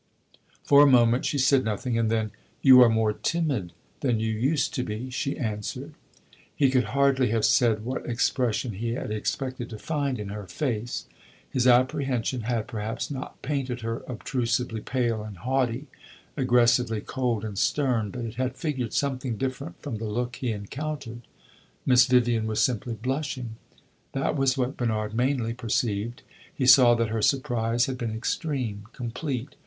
For a moment she said nothing, and then "You are more timid than you used to be!" she answered. He could hardly have said what expression he had expected to find in her face; his apprehension had, perhaps, not painted her obtrusively pale and haughty, aggressively cold and stern; but it had figured something different from the look he encountered. Miss Vivian was simply blushing that was what Bernard mainly perceived; he saw that her surprise had been extreme complete.